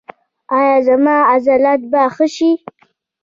ایا زما عضلات به ښه شي؟